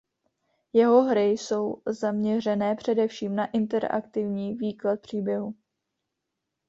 Jeho hry jsou zaměřené především na interaktivní výklad příběhu.